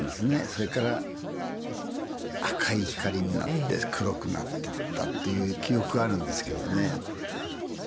それから赤い光になって黒くなってったという記憶あるんですけどね。